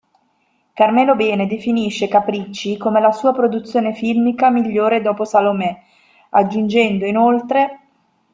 Carmelo Bene definisce "Capricci" come la sua produzione filmica migliore dopo "Salomè", aggiungendo inoltre...